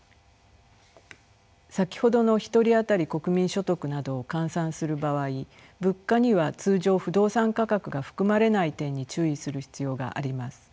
先ほどの１人当たり国民所得などを換算する場合物価には通常不動産価格が含まれない点に注意する必要があります。